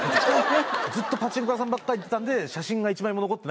ずっとパチンコ屋さんばっかり行ってたんで。